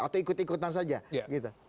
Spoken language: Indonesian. atau ikut ikutan saja gitu